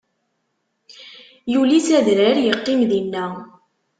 Yuli s adrar, iqqim dinna.